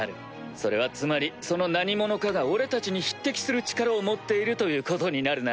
それはつまりその何者かが俺たちに匹敵する力を持っているということになるな。